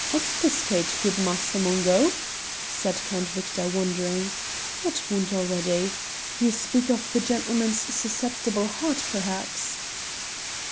"Expiscate, good Master Mungo," said Count Victor, wondering. "What wound already? You speak of the gentleman's susceptible heart perhaps?"